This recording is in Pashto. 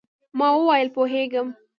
ما وویل، پوهېږم.